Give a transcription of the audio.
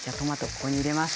ここに入れます。